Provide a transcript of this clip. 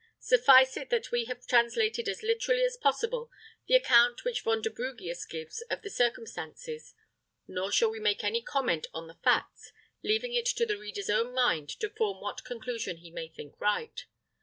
Suffice it that we have translated as literally as possible the account which Vonderbrugius gives of the circumstances; nor shall we make any comment on the facts, leaving it to the reader's own mind to form what conclusion he may think right.